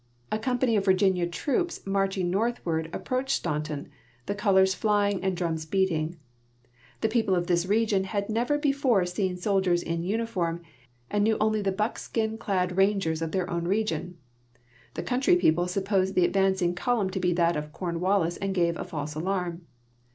A company of Virginia troops marching northward approached Staunton, the colors flying and drums beating. J'he peo|>le of this region had never before seen soldiers in uniform and knew only the buckskin clad rangers of their own region. The country people supi)Osed the advancing column to be that of Cornwallis and gave a false alarm.